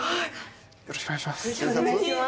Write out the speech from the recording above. よろしくお願いします。